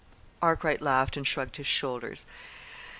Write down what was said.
Arkwright laughed and shrugged his shoulders.